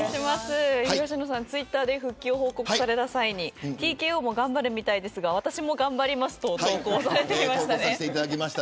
東野さん、ツイッターで復帰を報告された際にＴＫＯも頑張るみたいですが私も頑張りますと投稿されていましたね。